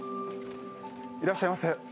いらっしゃいませ。